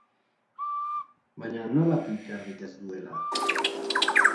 Baina nola, Twitterrik ez duela?